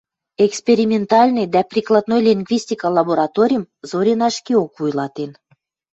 Экспериментальный дӓ прикладной лингвистика лабораторим Зорина ӹшкеок вуйлатен